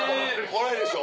これでしょ。